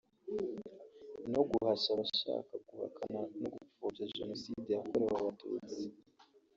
no guhashya abashaka guhakana no gupfobya Jenoside yakorewe Abatutsi